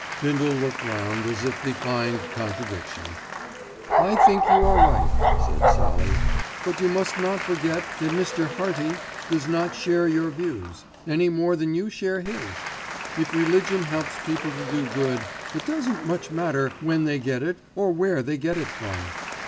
Bindle looked round as if defying contradiction. "I think you are right," said Sallie; "but you must not forget that Mr. Hearty does not share your views, any more than you share his. If religion helps people to do good, it doesn't much matter when they get it, or where they get it from."